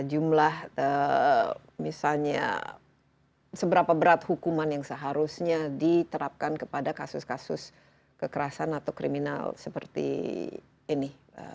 jumlah misalnya seberapa berat hukuman yang seharusnya diterapkan kepada kasus kasus kekerasan atau kriminal seperti ini